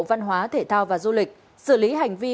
văn hóa thể thao và du lịch xử lý hành vi